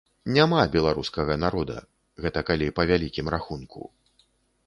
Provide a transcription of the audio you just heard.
Няма беларускага народа, гэта калі па вялікім рахунку.